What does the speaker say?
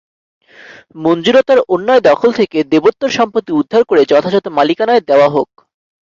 মঞ্জুরতার অন্যায় দখল থেকে দেবোত্তর সম্পত্তি উদ্ধার করে যথাযথ মালিকানায় দেওয়া হোক।